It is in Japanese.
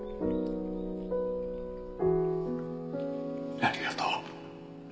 ありがとう。